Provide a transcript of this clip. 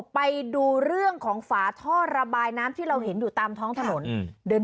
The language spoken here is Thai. ไปดูเรื่องของฝาท่อระบายน้ำที่เราเห็นอยู่ตามท้องถนนเดิน